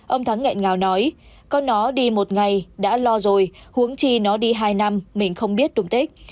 ông thắng nghẹn ngào nói con nó đi một ngày đã lo rồi huống chi nó đi hai năm mình không biết tùng tích